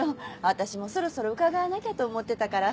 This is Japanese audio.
私もそろそろ伺わなきゃと思ってたから。